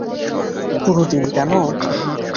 পুরো দিন, কেন?